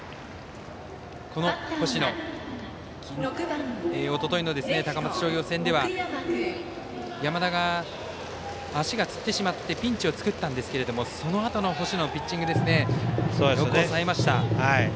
この星野、おとといの高松商業戦では山田が足がつってしまってピンチを作ってしまったんですがそのあとの星野のピッチングよく抑えました。